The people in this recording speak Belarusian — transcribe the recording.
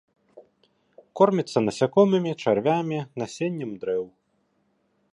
Корміцца насякомымі, чарвямі, насеннем дрэў.